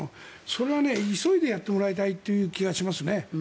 それは急いでやってもらいたいという気がしますね。